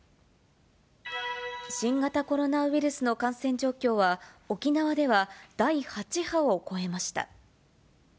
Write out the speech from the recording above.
新型コロナウイルスの感染状況は、沖縄では第８波を超えました。